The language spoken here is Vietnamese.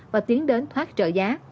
và tiến đến thoát trợ giá